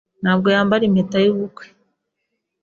ntabwo yambara impeta yubukwe.